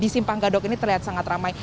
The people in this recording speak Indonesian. di simpang gadok ini terlihat sangat ramai